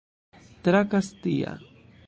Tra Kastia.